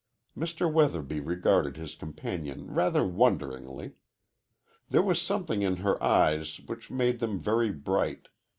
Mr. Weatherby regarded his companion rather wonderingly. There was something in her eyes which made them very bright.